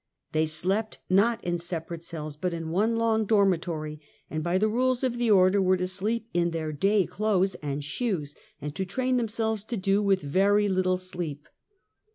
They slept, not in separate cells, but in one long dormitory, and by the rules of the order were to sleep in their day clothes and shoes, and to train themselves to do with very little sleep.